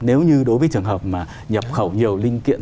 nếu như đối với trường hợp mà nhập khẩu nhiều linh kiện